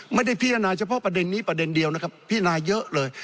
ไม่ได้พิจารณาเฉพาะประเด็นนี้ประเด็นเดียวนะครับพิจารณาเยอะเลย